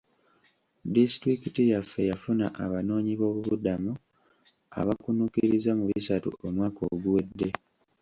Disitulikiti yaffe yafuna abanoonyi bobubuddamo abakunukiriza mu bisatu omwaka oguwedde.